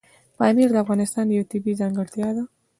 پامیر د افغانستان یوه طبیعي ځانګړتیا ده.